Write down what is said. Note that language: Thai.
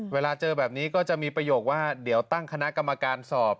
เวลาเจอแบบนี้ก็จะมีประโยคว่าเดี๋ยวตั้งคณะกรรมการสอบ